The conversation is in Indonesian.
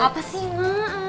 apa sih ma